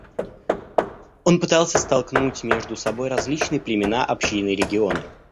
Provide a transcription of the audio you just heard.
Он пытался столкнуть между собой различные племена, общины и регионы.